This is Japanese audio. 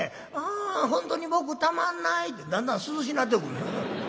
「ああ本当に僕たまんない」ってだんだん涼しなってくる。